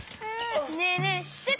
ねえねえしってた？